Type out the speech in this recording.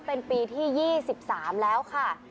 เป็นปีที่๒๓แล้วค่ะ